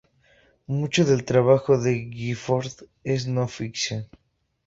Mucho del trabajo de Gifford es no ficción.